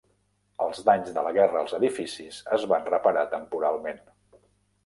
Els danys de la guerra als edificis es van reparar temporalment.